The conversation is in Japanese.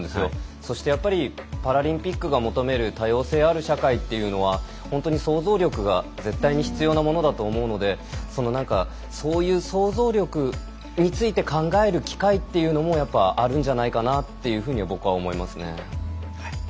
そして、やっぱりパラリンピックが求める多様性ある社会というのは本当に想像力が絶対に必要なものだと思うのでそういう想像力について考える機会というのもやっぱ、あるんじゃないかなと僕は思いますね。